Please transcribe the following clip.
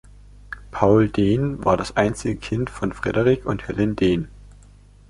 Paul Dehn war das einzige Kind von Frederick und Helen Dehn.